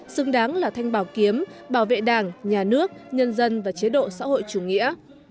xứng đáng là thanh bảo kiếm bảo vệ đảng nhà nước nhân dân và chế độ xã hội chủ nghĩa